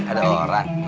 eh ada orang